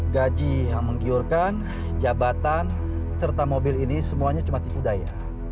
gaji yang menggiurkan jabatan serta mobil ini semuanya cuma tipu daya